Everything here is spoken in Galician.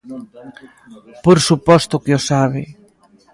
¡Por suposto que o sabe!